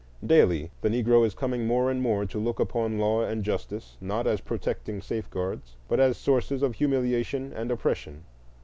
Daily the Negro is coming more and more to look upon law and justice, not as protecting safeguards, but as sources of humiliation and oppression.